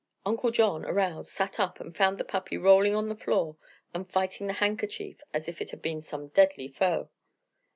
Uncle John, aroused, sat up and found the puppy rolling on the floor and fighting the handkerchief as if it had been some deadly foe.